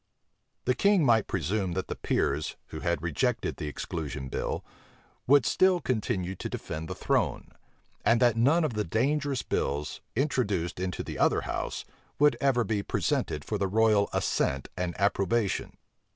The king might presume that the peers, who had rejected the exclusion bill, would still continue to defend the throne, and that none of the dangerous bills, introduced into the othe*[missing r] house, would ever be presented for the royal assent and approbation.